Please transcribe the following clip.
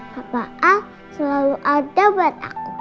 papa al selalu ada buat aku